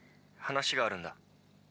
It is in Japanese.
話があるんだ。